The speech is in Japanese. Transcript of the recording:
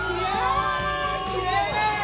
きれい！